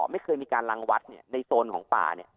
ไม่เคยมีการลังวัดในตนของป่า